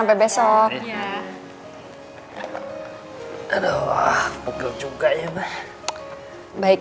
makasih ya mbak